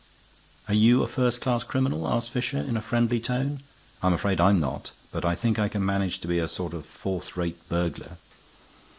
"Are you a first class criminal?" asked Fisher, in a friendly tone. "I'm afraid I'm not. But I think I can manage to be a sort of fourth rate burglar."